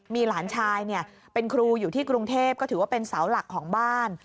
มีหลานชายเป็นครูอยู่ที่กรุงเทพก็ถือว่าเป็นเสาหลักของบ้าน